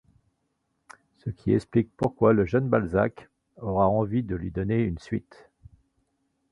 Ce qui explique pourquoi le jeune Balzac aura envie de lui donner une suite.